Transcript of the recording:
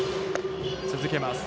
続けます。